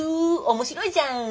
面白いじゃん。